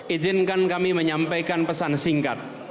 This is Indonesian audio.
izinkan kami menyampaikan pesan singkat